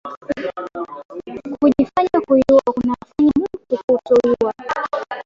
Kuji fanya kuyuwa kuna fanya mutu kuto kuyuwa